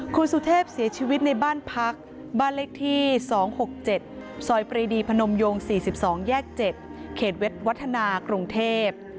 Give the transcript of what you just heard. คุณสุเทพเสียชีวิตในบ้านพักบ้านเลขที่๒๖๗ซอยปรีดีพนมยง๔๒แยก๗เขตเวทวัฒนากรุงเทพ